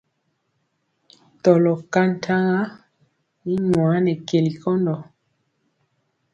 Tɔlɔ ka ntaŋa i nwaa nɛ keli nkɔndɔ.